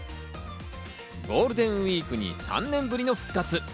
ゴールデンウイークに３年ぶりの復活。